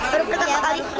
baru pertama kali